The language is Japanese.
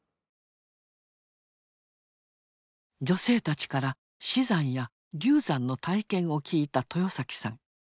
女性たちから死産や流産の体験を聞いた豊さん。